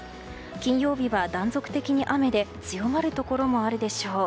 金曜日は断続的に雨で強まるところもあるでしょう。